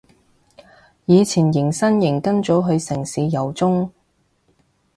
以前迎新營跟組去城市遊蹤